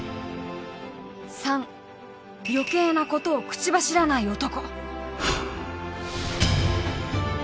３余計なことを口走らない男。